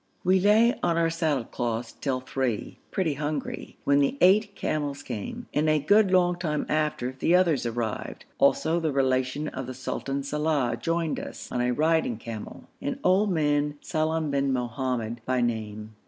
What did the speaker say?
We lay on our saddle cloths till three, pretty hungry, when the eight camels came, and a good long time after the others arrived also the relation of the sultan Salàh joined us on a riding camel: an old man, Salem bin Mohammad by name.